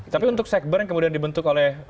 tapi untuk sekber yang kemudian dibentuk oleh